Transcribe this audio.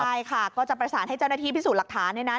ใช่ค่ะก็จะประสานให้เจ้าหน้าที่พิสูจน์หลักฐานเนี่ยนะ